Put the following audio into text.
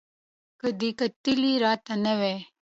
که دې کتلي را ته نه وای